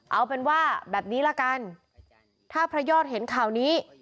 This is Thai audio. เอาเป็นว่าแบบนี้ละกันถ้าพระยอดเห็นข่าวนี้